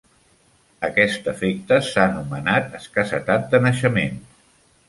Aquest efecte s'ha anomenat escassetat de naixements.